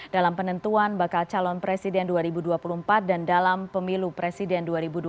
dalam penentuan bakal calon presiden dua ribu dua puluh empat dan dalam pemilu presiden dua ribu dua puluh